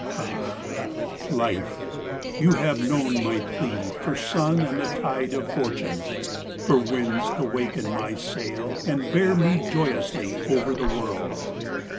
Ah, Life, you have known my plea For sun and the tide of fortune, For winds to waken my sail and bear Me joyously over the world.